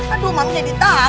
aduh makanya ditangkap